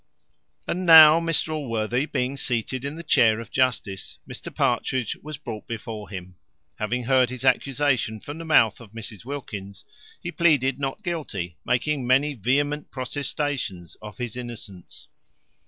And now Mr Allworthy being seated in the chair of justice, Mr Partridge was brought before him. Having heard his accusation from the mouth of Mrs Wilkins, he pleaded not guilty, making many vehement protestations of his innocence.